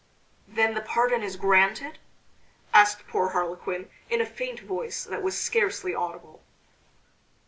"Then the pardon is granted?" asked poor Harlequin in a faint voice that was scarcely audible.